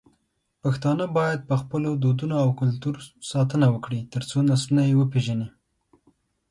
پښتانه بايد په خپلو دودونو او کلتور ساتنه وکړي، ترڅو نسلونه يې وپېژني.